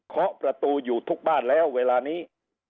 ขอประตูอยู่ทุกบ้านแล้วเวลานี้